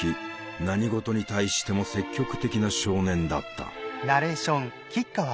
何事に対しても積極的な少年だった。